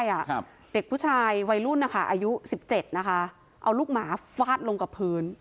ครับเด็กผู้ชายวัยรุ่นนะคะอายุสิบเจ็ดนะคะเอาลูกหมาฟาดลงกับพื้น